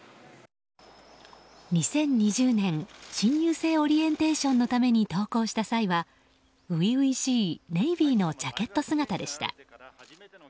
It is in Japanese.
２０２０年、新入生オリエンテーションのために登校した際は、初々しいネイビーのジャケット姿でした。